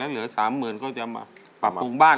แล้วเหลือ๓หมื่นบาทก็จะมาปรับปรุงบ้าน